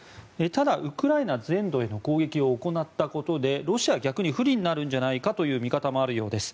ただ、ウクライナ全土への攻撃を行ったことでロシアは逆に不利になるんじゃないかという見方もあるようです。